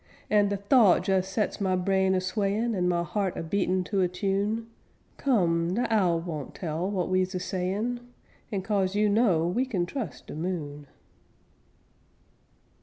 An' de thought jes sets my brain a swayin', An' my heart a beatin' to a tune; Come, de owl won't tell w'at we's a sayin', An' cose you know we kin trus' de moon.